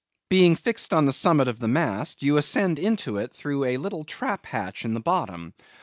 Being fixed on the summit of the mast, you ascend into it through a little trap hatch in the bottom.